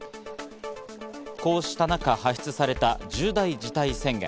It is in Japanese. こうした中、発出された重大事態宣言。